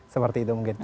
seperti itu mungkin